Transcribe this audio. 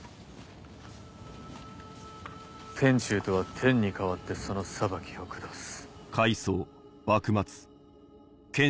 天誅とは天に代わってその裁きを下す。